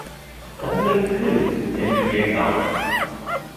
தங்களுக்கு? என்று கேட்டான்.